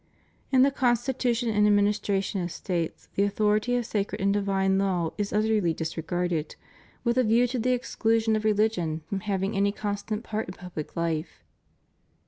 In the constitution and administration of States the authority of sacred and di\dne law is utterly disregarded, with a view to the exclusion of religion from having any constant part in public hfe.